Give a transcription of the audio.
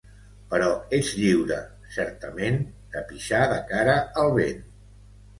però ets lliure, certament, de pixar de cara al vent